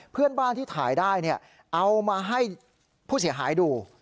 เพื่อนบ้านที่ถ่ายได้เอามาให้ผู้เสียหายดู